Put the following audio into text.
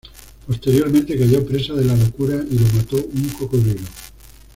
Posteriormente cayó presa de la locura y lo mató un cocodrilo.